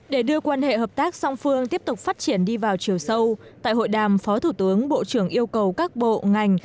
để đưa quan hệ hợp tác song phương tiếp tục phát triển đi vào chiều sâu tại hội đàm phó thủ tướng bộ trưởng yêu cầu các bộ ngành